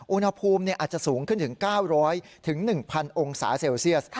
อุณหภูมิอาจจะสูงขึ้นถึง๙๐๐๑๐๐องศาเซลเซียส